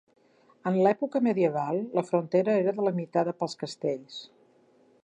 En l’època medieval, la frontera era delimitada pels castells.